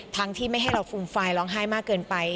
ที่ไม่ให้เราฟูมฟายร้องไห้มากเกินไป